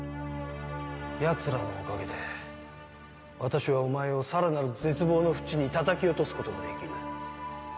ヤツらのおかげで私はお前をさらなる絶望の淵に叩き落とすことができる。